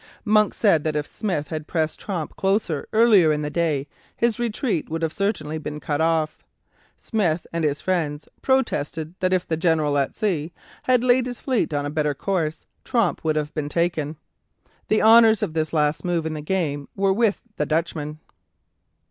Monk said that if Smith had pressed Tromp closer early in the day, his retreat would have certainly been cut off. Smith and his friends protested that if the "general at sea" had laid his fleet on a better course, Tromp would have been taken. The honours of this last move in the game were with the Dutchman.